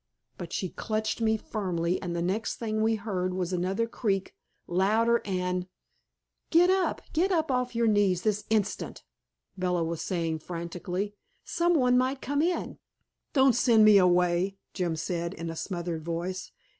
But she clutched me firmly, and the next thing we heard was another creak, louder and "Get up! Get up off your knees this instant!" Bella was saying frantically. "Some one might come in." "Don't send me away," Jim said in a smothered voice.